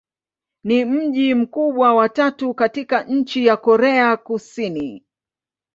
Ni mji mkubwa wa tatu katika nchi wa Korea Kusini.